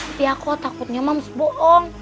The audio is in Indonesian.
tapi aku takutnya moms bohong